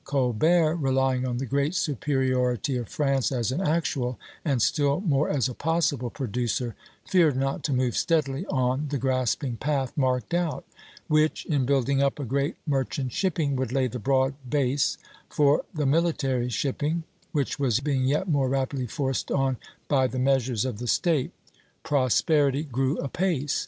Colbert, relying on the great superiority of France as an actual, and still more as a possible producer, feared not to move steadily on the grasping path marked out; which, in building up a great merchant shipping, would lay the broad base for the military shipping, which was being yet more rapidly forced on by the measures of the State. Prosperity grew apace.